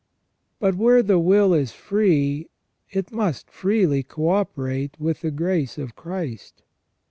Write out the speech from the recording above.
But where the will is free it must freely co operate with the grace of Christ.